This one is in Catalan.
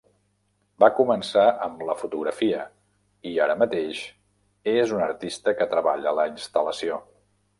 Va començar amb la fotografia i, ara mateix, és un artista que treballa la instal·lació.